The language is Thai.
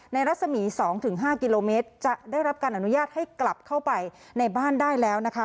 รัศมี๒๕กิโลเมตรจะได้รับการอนุญาตให้กลับเข้าไปในบ้านได้แล้วนะคะ